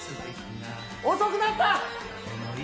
遅くなった。